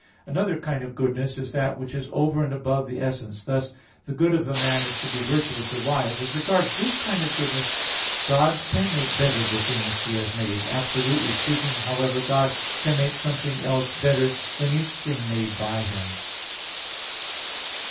Another kind of goodness is that which is over and above the essence; thus, the good of a man is to be virtuous or wise. As regards this kind of goodness, God can make better the things He has made. Absolutely speaking, however, God can make something else better than each thing made by Him.